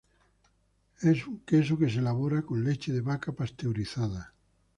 Es un queso que se elabora con leche de vaca pasteurizada.